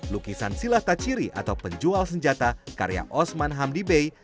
lukisan silataciri atau penjual senjata karya osman hamdi bey